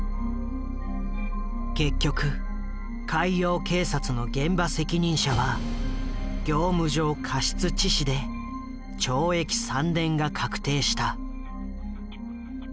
結局海洋警察の現場責任者は業務上過失致死で懲役３年が確定した。